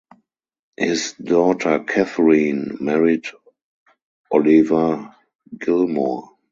His daughter Katherine married Oliver Gilmour.